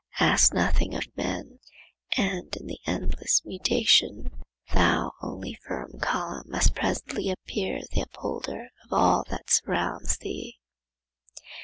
Ask nothing of men, and, in the endless mutation, thou only firm column must presently appear the upholder of all that surrounds thee.